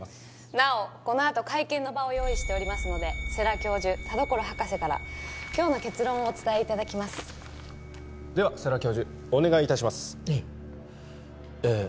なおこのあと会見の場を用意しておりますので世良教授田所博士から今日の結論をお伝えいただきますでは世良教授お願いいたしますえええ